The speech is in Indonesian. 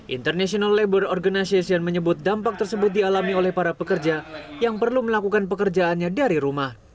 international labor organization menyebut dampak tersebut dialami oleh para pekerja yang perlu melakukan pekerjaannya dari rumah